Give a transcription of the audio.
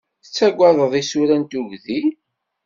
Tettagadeḍ isura n tugdi?